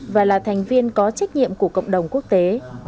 và là thành viên có trách nhiệm của cộng đồng quốc tế